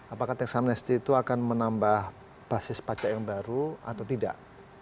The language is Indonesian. apakah teksamnesti itu akan menambah basis pacat yang baru atau tidak